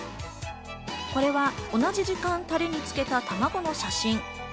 これは同じ時間、タレに漬けた卵の写真。